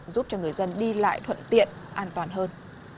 giúp cho người dân đi lại thuận tiện an toàn hơn